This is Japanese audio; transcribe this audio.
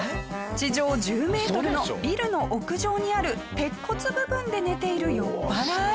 地上１０メートルのビルの屋上にある鉄骨部分で寝ている酔っ払い。